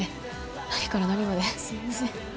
何から何まですみません